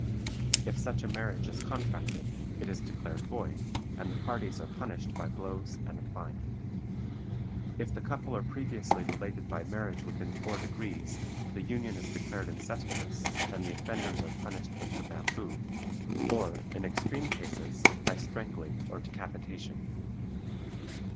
If such a marriage is contracted, it is declared void, and the parties are punished by blows and a fine. If the couple are previously related by marriage within four degrees, the union is declared incestuous, and the offenders are punished with the bamboo, or, in extreme cases, by strangling or decapitation.